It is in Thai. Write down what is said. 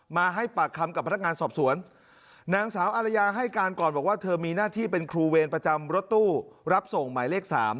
มาให้ปากคำกับพนักงานสอบสวนนางสาวอารยาให้การก่อนบอกว่าเธอมีหน้าที่เป็นครูเวรประจำรถตู้รับส่งหมายเลข๓